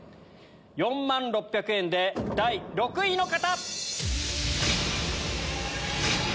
４万６００円で第６位の方！